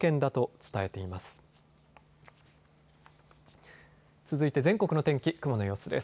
続いて全国の天気、雲の様子です。